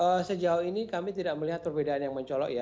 pasca jawa ini kami tidak melihat perbedaan yang mencolok